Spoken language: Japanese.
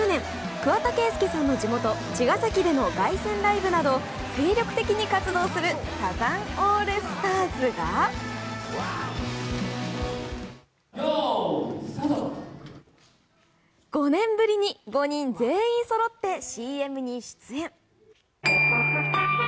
桑田佳祐さんの地元・茅ヶ崎での凱旋ライブなど精力的に活動するサザンオールスターズが５年ぶりに５人全員そろってＣＭに出演。